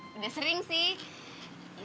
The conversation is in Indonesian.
sudah sering sih